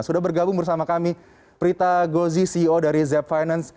sudah bergabung bersama kami prita gozi ceo dari z finance